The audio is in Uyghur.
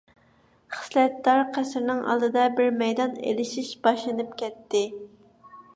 خىسلەتدار قەسىرنىڭ ئالدىدا بىر مەيدان ئېلىشىش باشلىنىپ كەتتى.